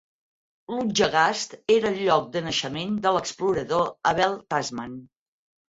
Lutjegast era el lloc de naixement de l'explorador Abel Tasman.